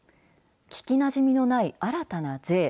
聞きなじみのない新たな税。